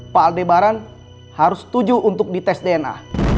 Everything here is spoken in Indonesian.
pak aldebaran harus setuju untuk dites dna